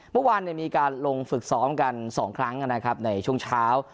เมื่อวานเนี่ยมีการลงฝึกซ้อมกันสองครั้งนะครับในช่วงเช้า